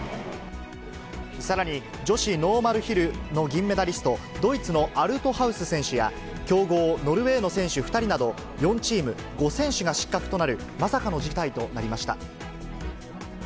さらに、女子ノーマルヒルの銀メダリスト、ドイツのアルトハウス選手や、強豪、ノルウェーの選手２人など、４チーム５選手が失格となるまさかの事態となりました。